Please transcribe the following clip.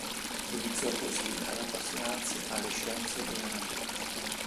Iniziò così ad appassionarsi alle scienze della natura.